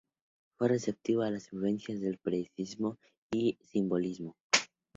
Fue receptivo a las influencias del impresionismo y el simbolismo.